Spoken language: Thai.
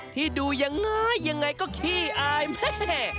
ที่ดูอย่างไรอย่างไรก็คี่อายแหม